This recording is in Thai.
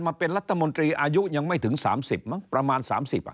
มาเป็นรัฐมนตรีอายุยังไม่ถึง๓๐มั้งประมาณ๓๐อ่ะ